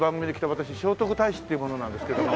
私聖徳太子っていう者なんですけども。